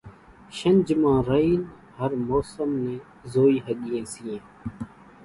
شنجھ مان رئينَ هر موسم نين زوئِي ۿڳيئين سيئين۔